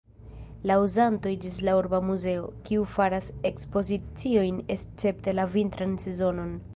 La uzanto iĝis la urba muzeo, kiu faras ekspoziciojn escepte la vintran sezonon.